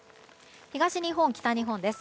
東日本、北日本です。